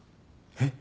えっ。